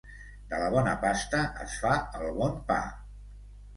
De la bona pasta es fa el bon pa.